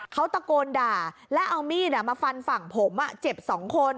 เขาตะโกนด่าแล้วเอามีดมาฟันฝั่งผมเจ็บสองคน